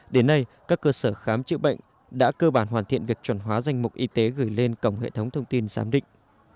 đến nay các cơ sở khám chữa bệnh đã cơ bản hoàn thiện việc chuẩn hóa danh mục y tế gửi lên cổng hệ thống thông tin giám định